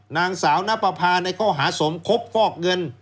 นางสาวนปภาในข้อหาสมคบฟอกเงิน